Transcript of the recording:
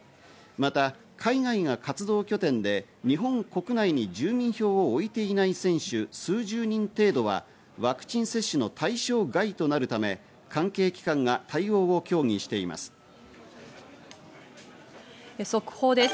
また海外が活動拠点で日本国内に住民票を置いていない選手、数十人程度はワクチン接種の対象外となるため速報です。